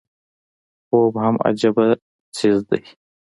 خوب هم عجيبه څيز دی